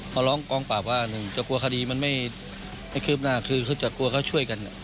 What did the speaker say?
พอร้องกองปรับว่าจะกลัวคดีมันไม่ไม่คืบหน้าคือจะกลัวเขาช่วยกัน